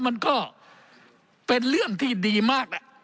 มันก็เป็นเรื่องที่ดีมากแหละ